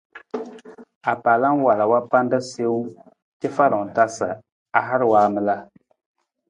Apaala wala wa panda siiwung cafalung ta sa a har waamala.